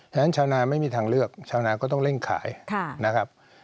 ฉะนั้นชาวนาไม่มีทางเลือกชาวนาก็ต้องเร่งขายนะครับ